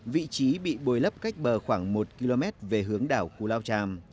vị trí bị bồi lấp cách bờ khoảng một km về hướng đảo cù lao tràm